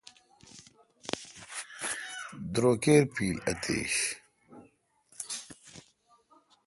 دروکیر پیل اتش۔